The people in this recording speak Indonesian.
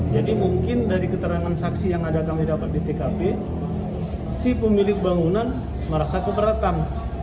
jadi mungkin dari keterangan saksi yang ada kami dapat di tkp si pemilik bangunan merasa keberatan